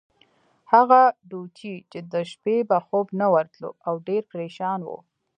هغه ډوچي چې د شپې به خوب نه ورتلو، او ډېر پرېشان وو.